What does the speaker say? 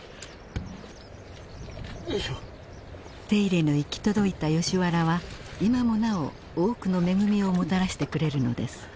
手入れの行き届いたヨシ原は今もなお多くの恵みをもたらしてくれるのです。